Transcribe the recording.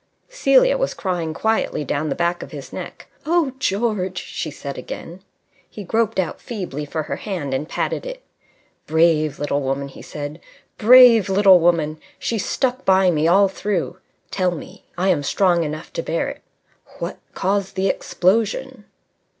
Celia was crying quietly down the back of his neck. "Oh, George!" she said, again. He groped out feebly for her hand and patted it. "Brave little woman!" he said. "Brave little woman! She stuck by me all through. Tell me I am strong enough to bear it what caused the explosion?"